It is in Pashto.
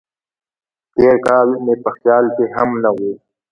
تېر کال مې په خیال کې هم نه و.